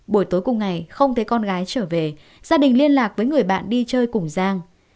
buổi tối cùng ngày không thấy con gái trở về gia đình liên lạc với người bạn đi chơi cùng giang